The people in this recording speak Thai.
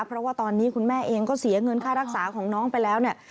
เพราะว่าตอนนี้คุณแม่เองก็เสียเงินค่ารักษาของน้องไปแล้วเนี่ย